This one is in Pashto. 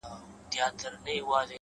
مړ مه سې- د بل ژوند د باب وخت ته-